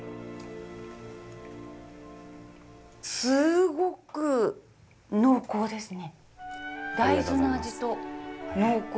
すごく濃厚ですね。